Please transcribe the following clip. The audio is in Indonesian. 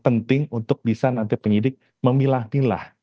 penting untuk bisa nanti penyidik memilah milah